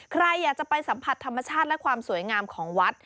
ใครอยากจะไปสัมผัสธรรมชาติและความสวยงามของวัด